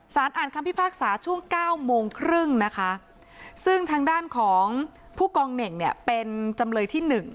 สารอ่านคำพิพากษาช่วงเก้าโมงครึ่งนะคะซึ่งทางด้านของผู้กองเหน่งเนี่ยเป็นจำเลยที่๑